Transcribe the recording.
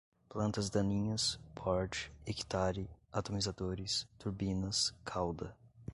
plantas daninhas, porte, hectare, atomizadores, turbinas, calda